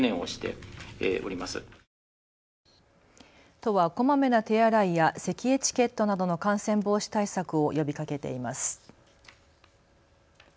都はこまめな手洗いやせきエチケットなどの感染防止対策を呼びかけています。